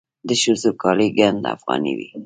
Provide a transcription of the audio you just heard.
د ښځو کالي ګنډ افغاني وي.